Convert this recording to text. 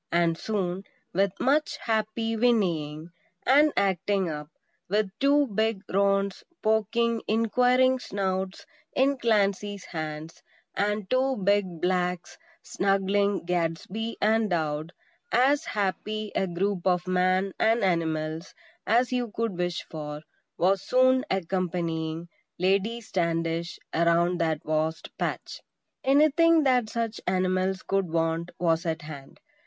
And soon, with much happy whinnying and "acting up," with two big roans poking inquiring snouts in Clancy's hands, and two big blacks snuggling Gadsby and Dowd, as happy a group of Man and animals as you could wish for, was soon accompanying Lady Standish around that vast patch. Anything that such animals could want was at hand.